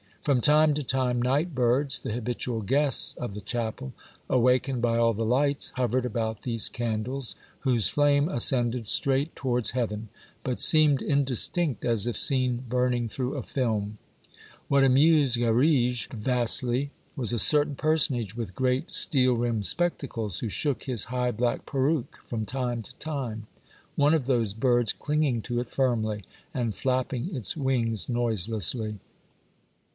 From time to time night birds, the habitual guests of the chapel, awakened by all the lights, hovered about these candles, whose flame ascended straight towards heaven, but seemed indistinct as if seen burning through a film; what amused Garrigue vastly was a certain personage with great steel rimmed spectacles, who shook his high black perruque from time to time, — one of those birds clinging to it firmly, and flapping its wings noiselessly.